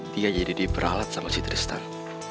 tiga jadi diperalat sama si tristan